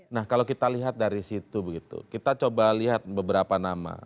nah kalau kita lihat dari situ begitu kita coba lihat beberapa nama